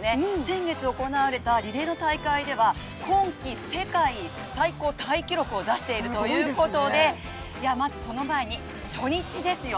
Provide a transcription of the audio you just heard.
先月行われたリレーの大会では今季世界最高タイ記録を出しているということでまずその前に、初日ですよ。